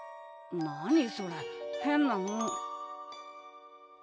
何それ変なの。